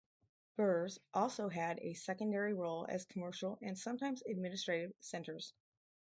Burhs also had a secondary role as commercial and sometimes administrative centres.